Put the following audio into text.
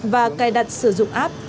và cài đặt sử dụng app